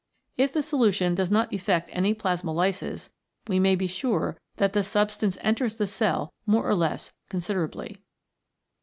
If the solution does not effect any plasmolysis, we may be sure that the substance enters the cell more or less considerably.